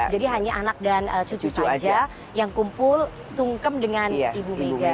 jadi hanya anak dan cucu saja yang kumpul sungkem dengan ibu mega